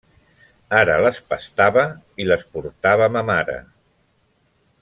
Ara les pastava i les portava ma mare.